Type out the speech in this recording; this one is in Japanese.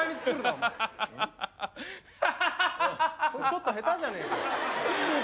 ちょっと下手じゃねえかよ。